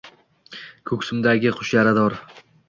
Koʼksimdagi qush yarador